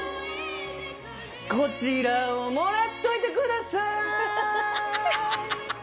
「こちらをもらっといてください」